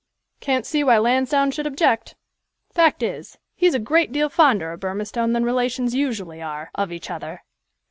"Can't see why Lansdowne should object. Fact is, he is a great deal fonder of Burmistone than relations usually are of each other.